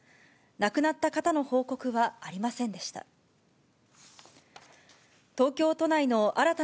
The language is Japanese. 亡くなった方の報告はありませんでした。